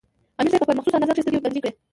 امیر صېب پۀ خپل مخصوص انداز کښې سترګې بنجې کړې